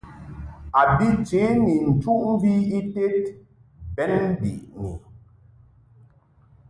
A bi che ni nyum ited bɛn biʼni.